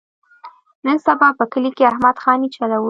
نن سبا په کلي کې احمد خاني چولي.